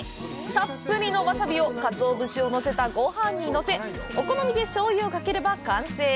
たっぷりのわさびをカツオ節をのせたごはんにのせお好みで醤油をかければ完成。